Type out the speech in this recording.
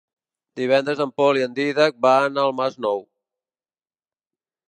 Divendres en Pol i en Dídac van al Masnou.